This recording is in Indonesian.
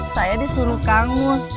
saya disuruh kangmus